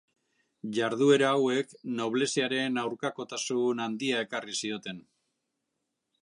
Jarduera hauek nobleziaren aurkakotasun handia ekarri zioten.